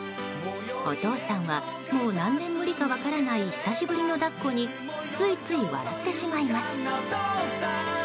お父さんはもう何年ぶりか分からない久しぶりの抱っこについつい笑ってしまいます。